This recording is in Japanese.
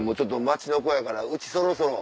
街の子やからうちそろそろ。